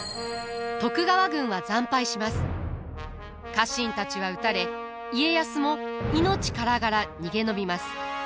家臣たちは討たれ家康も命からがら逃げ延びます。